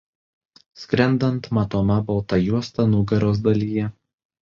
Skrendant matoma balta juosta nugaros dalyje.